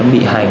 hắn bị hành